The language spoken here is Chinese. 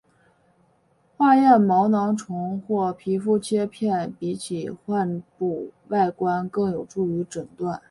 化验毛囊虫或皮肤切片比起患部外观更有助于诊断。